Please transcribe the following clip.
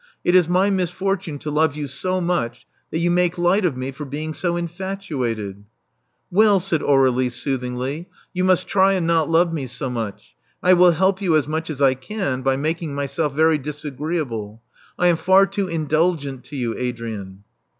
It is my mis fortune to love you so much that you make light of me for being so infatuated." Well," said Aur^lie soothingly, you must try and not love me so much. I will help you as much as I can by making myself very disagreeable. I am far too indulgent to you, Adrian."